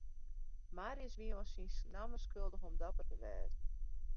Marius wie it oan syn namme skuldich om dapper te wêze.